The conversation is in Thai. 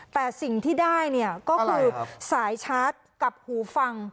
แต่สิ่งที่ได้เนี่ยก็คือสายชาร์จกับหูฟัง